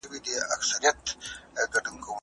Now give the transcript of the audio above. ولي سوداګري په نړیواله کچه ارزښت لري؟